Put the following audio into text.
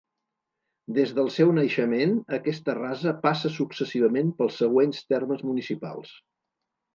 Des del seu naixement aquesta rasa passa successivament pels següents termes municipals.